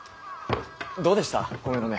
どうでした米の値。